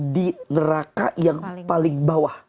di neraka yang paling bawah